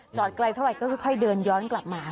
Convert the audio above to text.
ไกลเท่าไหร่ก็ค่อยเดินย้อนกลับมา